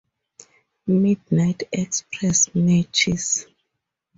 Midnight Express matches.